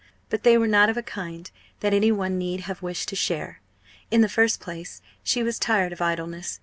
But they were not of a kind that any one need have wished to share. In the first place, she was tired of idleness.